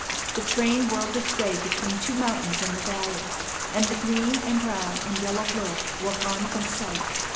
The train whirled its way between two mountains and the valley, and the green and brown and yellow blur were gone from sight.